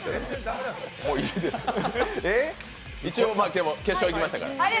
一応、決勝に行きましたから。